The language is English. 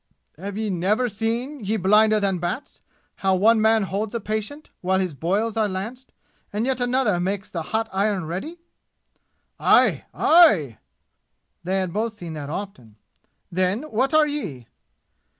Have ye never seen, ye blinder than bats how one man holds a patient while his boils are lanced, and yet another makes the hot iron ready?" "Aye! Aye!" They had both seen that often. "Then, what are ye?"